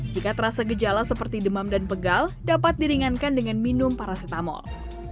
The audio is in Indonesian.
jika terasa gejala seperti demam dan pegal dapat diringankan dengan minum paracetamol